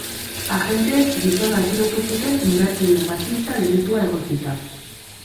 Agenteek gizona atxilotu zuten indarkeria matxista delitua egotzita.